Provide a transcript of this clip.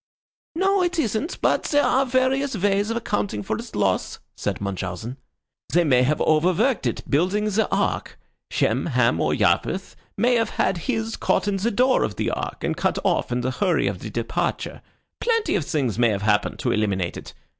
"No, it isn't; but there are various ways of accounting for its loss," said Munchausen. "They may have overworked it building the Ark; Shem, Ham, or Japheth may have had his caught in the door of the Ark and cut off in the hurry of the departure; plenty of things may have happened to eliminate it.